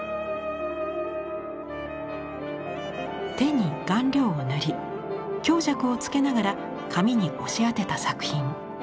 手に顔料を塗り強弱をつけながら紙に押し当てた作品。